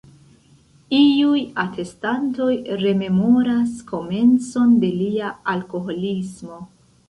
Iuj atestantoj rememoras komencon de lia alkoholismo.